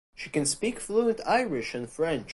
She can speak fluent Irish and French.